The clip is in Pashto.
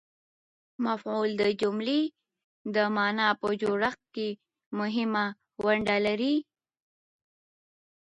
مفعول د جملې د مانا په جوړښت کښي مهمه ونډه لري.